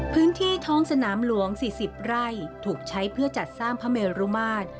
พื้นที่ท้องสนามหลวง๔๐ไร่ถูกใช้เพื่อจัดสร้างพระเมรุมาตร